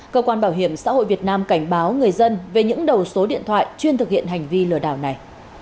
cơ quan bảo hiểm xã hội việt nam cảnh báo người dân về những đầu số điện thoại chuyên thực hiện hành vi lừa đảo này